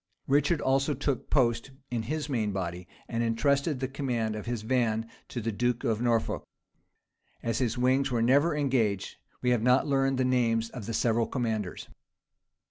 Richard also took post in his main body, and intrusted the command of his van to the duke of Norfolk: as his wings were never engaged, we have not learned the names of the several commanders.